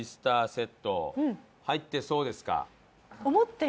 セット入ってそうですか？